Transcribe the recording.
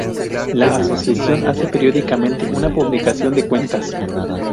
La asociación hace periódicamente una publicación de cuentas.